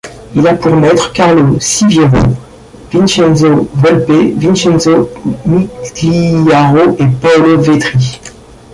Il a pour maîtres Carlo Siviero, Vincenzo Volpe, Vincenzo Migliaro et Paolo Vetri.